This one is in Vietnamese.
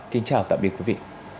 kính chào tạm biệt quý vị